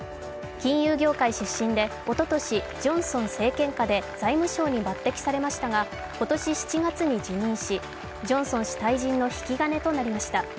金融業界出身で、おととし、ジョンソン政権下で財務相に抜てきされましたが、今年７月に辞任し、ジョンソン氏退陣の引き金となりました。